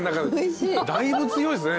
だいぶ強いっすね